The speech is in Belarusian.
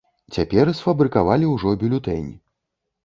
Цяпер сфабрыкавалі ўжо бюлетэнь.